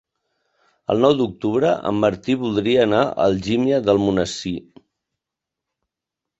El nou d'octubre en Martí voldria anar a Algímia d'Almonesir.